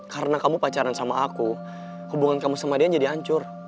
karena kamu pacaran sama aku hubungan kamu sama deyan jadi hancur